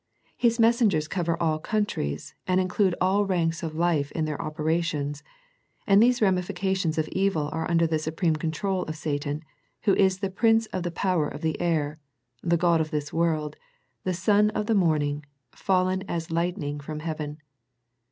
His messengers cover all countries, and include all ranks of life in their operations, and these ramifications of evil are under the supreme control of Satan, who is the prince of the power of the air, the god of this world, the son of the morning, fallen as lightning from heaven.